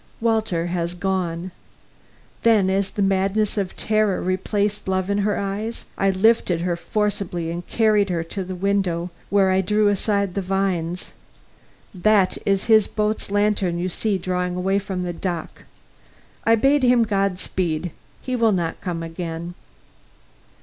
"Walter has gone." Then, as the madness of terror replaced love in her eyes, I lifted her forcibly and carried her to the window, where I drew aside the vines. "That is his boat's lantern you see drawing away from the dock. I bade him God speed. He will not come again."